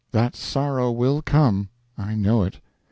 That sorrow will come I know it.